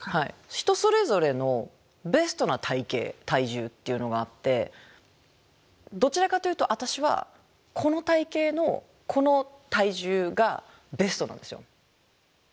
人それぞれのベストな体型体重っていうのがあってどちらかというと私はこの体型のこの体重がベストなんですよ。